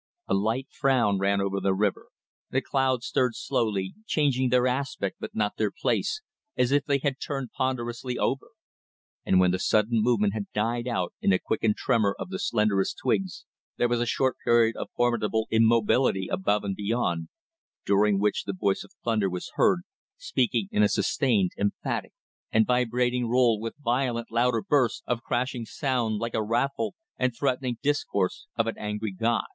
A light frown ran over the river, the clouds stirred slowly, changing their aspect but not their place, as if they had turned ponderously over; and when the sudden movement had died out in a quickened tremor of the slenderest twigs, there was a short period of formidable immobility above and below, during which the voice of the thunder was heard, speaking in a sustained, emphatic and vibrating roll, with violent louder bursts of crashing sound, like a wrathful and threatening discourse of an angry god.